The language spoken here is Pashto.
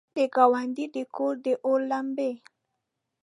د ګاونډي د کور، داور لمبې!